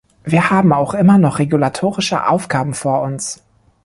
Wir haben auch immer noch regulatorische Aufgaben vor uns.